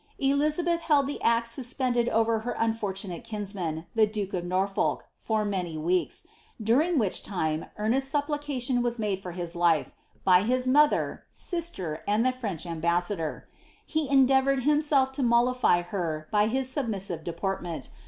Elizabeth held the axe suspended over her unfortunate kinsman, the Duke of Norfolk, for many weeks, during which time earnest supplica tion was made for his life, by his mother, sister, and the French ambas »dor. He endeavoured himself to mollify her by his submissive de pi^rtment.